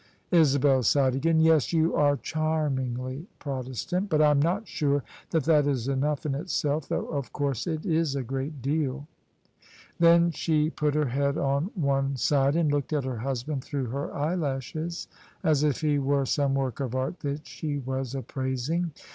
Isabel sighed again. " Yes, you are charmingly Protestant: but I'm not sure that that is enough in itself, though of course it is a great deal." Then she put her head on one side, and looked at her husband through her eye lashes as if he were some work of art that she was appraising.